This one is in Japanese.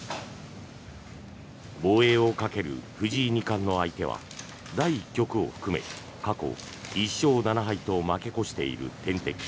防衛をかける藤井二冠の相手は第１局を含め過去１勝７敗と負け越している天敵